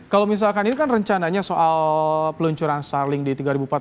kalau misalkan ini kan rencananya soal peluncuran starling di tiga ribu empat belas